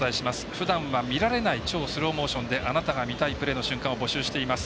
ふだんは見られない超スローモーションであなたが見たいプレーの瞬間を募集しています。